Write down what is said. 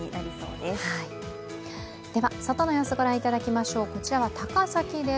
では、外の様子を御覧いただきましょう、高崎です。